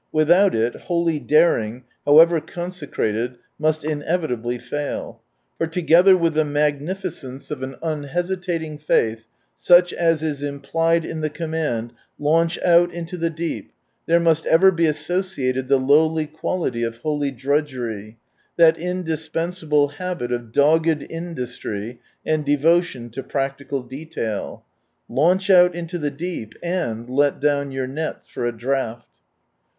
Without it holy daring, however conse crated, must inevitably fail. For together with the magnificence of an unhesitating faith, such as is implied in the command, " Launch out into the deep," there must ever be associated Ihe lowly quality of holy drudgery — that indispensable habit of dogged industry and devotion to practical detail ;" Launch out into the deep, and let down your nets for a draught."